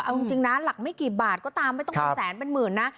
เอาจริงนะหลักไม่กี่บาทก็ตามไม่ต้องเป็นแสนเป็นหมื่นนะ